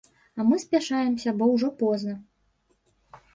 А мы спяшаемся, бо ўжо позна.